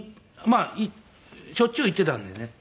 まあしょっちゅう行ってたんでね。